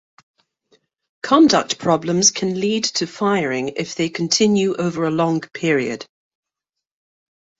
Conduct problems can lead to firing if they continue over a long period.